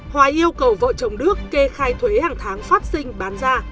hòa yêu cầu vợ chồng đức kê khai thuế hàng tháng phát sinh bán ra